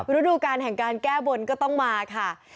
ฤดูการแห่งการแก้บนก็ต้องมาค่ะ